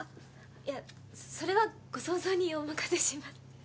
いやそれはご想像にお任せします。